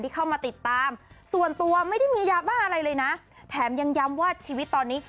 เข้ามาติดตามส่วนตัวไม่ได้มียาบ้าอะไรเลยนะแถมยังย้ำว่าชีวิตตอนนี้